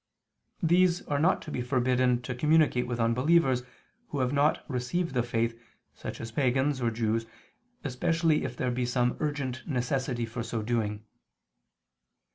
These are not to be forbidden to communicate with unbelievers who have not received the faith, such as pagans or Jews, especially if there be some urgent necessity for so doing.